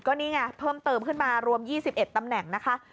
ก็นี่ไงเพิ่มเติมขึ้นมารวม๒๑ตำแหน่งนะคะ